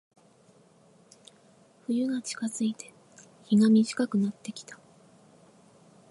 冬が近づいて、日が短くなってきた。